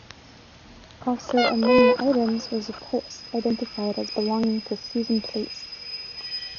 Also among the items was a purse identified as belonging to Susan Place.